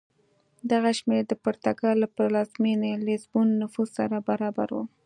دغه شمېر د پرتګال له پلازمېنې لېزبون نفوس سره برابر و.